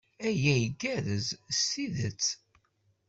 Aya igerrez s tidet.